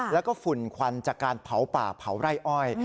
แล้วก็ฝุ่นควันจากการเผาป่าเผาไร่อ้อย